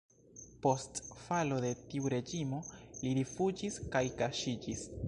Post falo de tiu reĝimo li rifuĝis kaj kaŝiĝis.